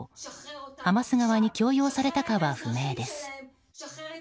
ハマス側に強要されたは不明です。